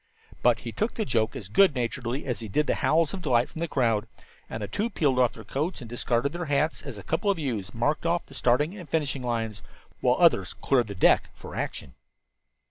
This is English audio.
But he took the joke as good naturedly as he did the howls of delight from the crowd, and the two peeled off their coats and discarded their hats as a couple of youths marked off the starting and finishing line, while others "cleared the deck for action."